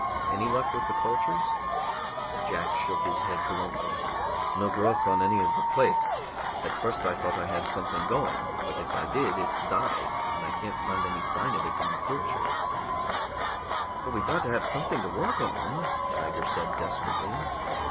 Any luck with the cultures?" Jack shook his head glumly. "No growth on any of the plates. At first I thought I had something going, but if I did, it died, and I can't find any sign of it in the filtrates." "But we've got to have something to work on," Tiger said desperately.